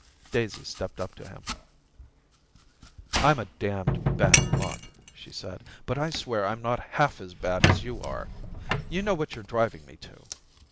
Daisy stepped up to him. * I'm a damned bad lot,' she said, * but I swear I'm not half as bad as you are. ... You know what you're driving me to.'